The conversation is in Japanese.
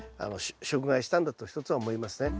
食害したんだと一つは思いますね。